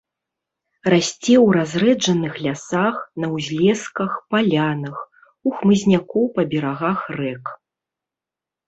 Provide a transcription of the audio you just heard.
Расце ў разрэджаных лясах, на ўзлесках, палянах, у хмызняку па берагах рэк.